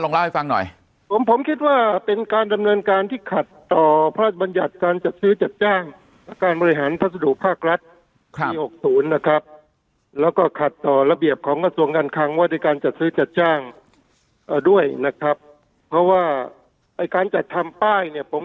ลองเล่าให้ฟังหน่อยผมคิดว่าเป็นการดำเนินการที่ขาดต่อพลัดบัญญัติการจัดซื้อจัดจ้าง